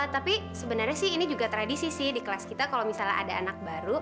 tapi sebenarnya sih ini juga tradisi sih di kelas kita kalau misalnya ada anak baru